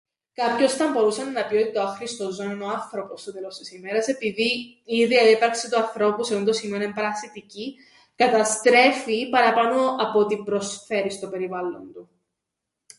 Κάποιος θα μπορούσε να πει ότι το άχρηστον ζώον εν' ο άνθρωπος στο τέλος της ημέρας, επειδή η ίδια ύπαρξη του ανθρώπου σε τούντο σημείον εν' παρασιτική, καταστρέφει παραπάνω από ό,τι προσφέρει στο περιβάλλον του.